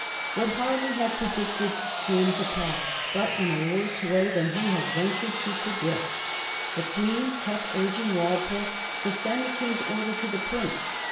What Hervey had predicted came to pass, but in a worse way than he had ventured to predict. The Queen kept urging Walpole to send the King's order to the prince.